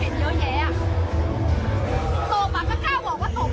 อ๋อรู้จักกันก่อนแล้วค่อยกล้ามาตก